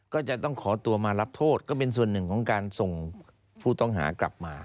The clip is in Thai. ก็จะต้องขอตัวมารับโทษก็เป็นส่วนหนึ่งของการส่งผู้ต้องหากลับมา